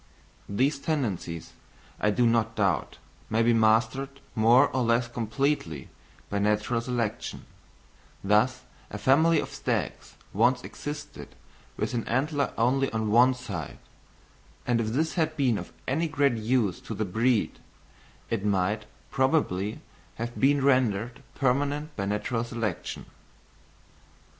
These tendencies, I do not doubt, may be mastered more or less completely by natural selection: thus a family of stags once existed with an antler only on one side; and if this had been of any great use to the breed, it might probably have been rendered permanent by natural selection.